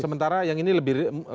sementara yang ini lebih